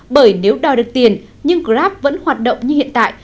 bởi nếu đòi được tiền nhưng grab vẫn hoạt động như hiện tại